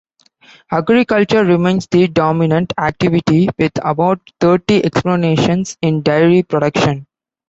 Agriculture remains the dominant activity with about thirty exploitations in dairy production.